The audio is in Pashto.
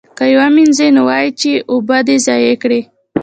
که یې ومینځي نو وایي یې چې اوبه دې ضایع کړې.